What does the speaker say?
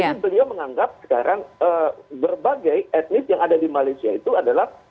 jadi beliau menganggap sekarang berbagai etnis yang ada di malaysia itu adalah